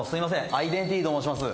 アイデンティティと申します